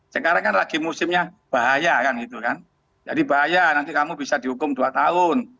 sekarang kan lagi musimnya bahaya kan gitu kan jadi bahaya nanti kamu bisa dihukum dua tahun